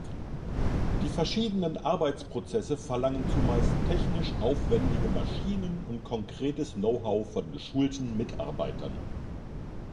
Die verschiedenen Arbeitsprozesse verlangen zumeist technisch aufwändige Maschinen und konkretes Know-how von geschulten Mitarbeitern.